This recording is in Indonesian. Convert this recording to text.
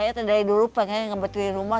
saya dari dulu pengen ngebetulin rumah